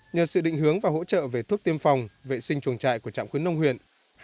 nhờ sự định hướng và hỗ trợ về thuốc tiêm phòng vệ sinh chuồng trại của trạm khuyến nông huyện